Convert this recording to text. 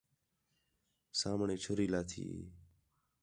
سامھݨے چُھری لاتھی ہی